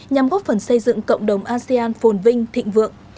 nhằm góp phần xây dựng cộng đồng asean phồn vinh thịnh vượng